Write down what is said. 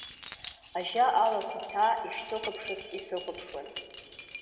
Ажьа алақәа ҭаа ишсыхәаԥшыц исыхәаԥшуан.